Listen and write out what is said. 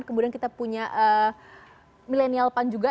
kemudian kita punya milenial pan juga